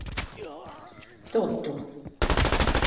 Totu!